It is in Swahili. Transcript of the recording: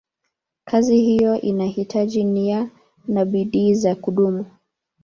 Kazi hiyo inahitaji nia na bidii za kudumu.